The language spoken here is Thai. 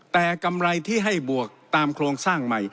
แต่กำไรที่ให้บวกตามโครงสร้างใหม่